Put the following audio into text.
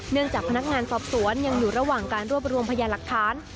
จากพนักงานสอบสวนยังอยู่ระหว่างการรวบรวมพยานหลักฐาน